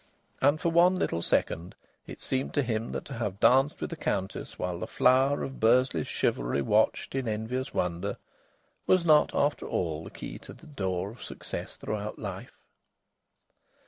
And for one little second it seemed to him that to have danced with a countess while the flower of Bursley's chivalry watched in envious wonder was not, after all, the key to the door of success throughout life.